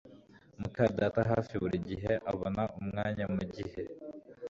muka data hafi buri gihe abona umwanya mugihe